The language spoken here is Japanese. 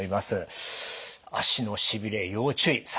足のしびれ要注意。